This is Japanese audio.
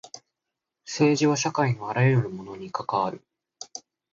政治は社会のあらゆるものに関わる。